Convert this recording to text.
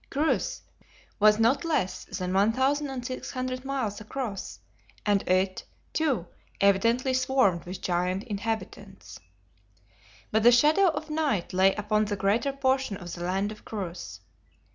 Chryse was not less than 1,600 miles across, and it, too, evidently swarmed with giant inhabitants. But the shadow of night lay upon the greater portion of the land of Chryse.